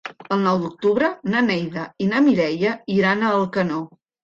El nou d'octubre na Neida i na Mireia iran a Alcanó.